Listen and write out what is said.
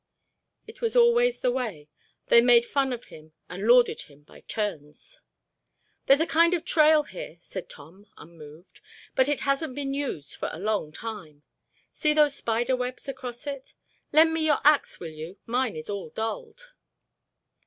It was always the way—they made fun of him and lauded him by turns. "There's a kind of trail here," said Tom, unmoved, "but it hasn't been used for a long time—see those spider webs across it? Lend me your axe, will you, mine is all dulled."